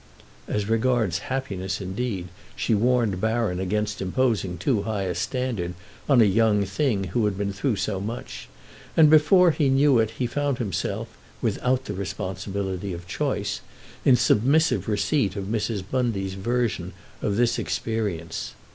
As regards happiness indeed she warned Baron against imposing too high a standard on a young thing who had been through so much, and before he knew it he found himself, without the responsibility of choice, in submissive receipt of Mrs. Bundy's version of this experience.